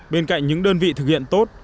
bên cạnh những đơn vị thực hiện tốt